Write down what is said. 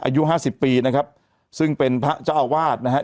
อายุห้าสิบปีนะครับซึ่งเป็นพระเจ้าอาวาสนะฮะ